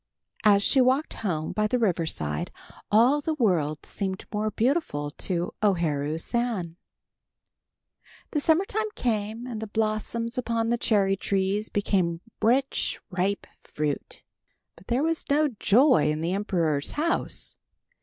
As she walked home by the river side, all the world seemed more beautiful to O Haru San. The summer time came and the blossoms upon the cherry trees became rich, ripe fruit. But there was no joy in the emperor's house.